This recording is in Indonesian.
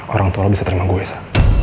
orang tua bisa terima gue sa